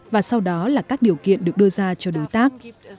và sau đó là các điều kiện được đưa ra cho đối tác